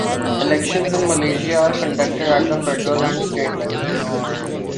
Elections in Malaysia are conducted at the federal and state levels.